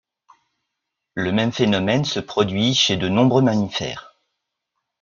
Le même phénomène se produit chez de nombreux mammifères.